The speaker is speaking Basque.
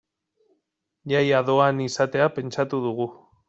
Jaia doan izatea pentsatu dugu.